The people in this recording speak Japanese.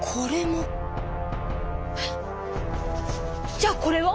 ⁉じゃあこれは⁉